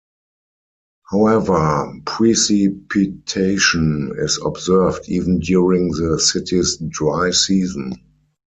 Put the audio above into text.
However, precipitation is observed even during the city's dry season.